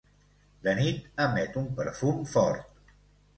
De nit emet un perfum fort.